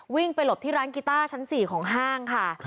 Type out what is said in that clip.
วิ่งไปหลบที่ร้านกีต้าชั้น๔ของห้างค่ะ